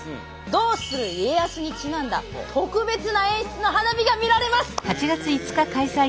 「どうする家康」にちなんだ特別な演出の花火が見られます。